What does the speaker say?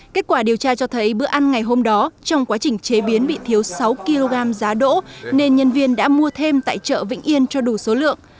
kết quả điều tra cho thấy bữa ăn ngày hôm đó trong quá trình chế biến bị thiếu sáu kg giá đỗ nên nhân viên đã mua thêm tại chợ vĩnh yên cho đủ số lượng